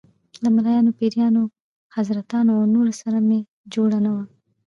له ملايانو، پیرانو، حضرتانو او نورو سره مې جوړه نه وه.